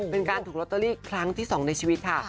เป็นการถูกลอตเตอรี่ครั้งที่๒ในชีวิตค่ะ